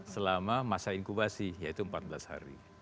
selama masa inkubasi yaitu empat belas hari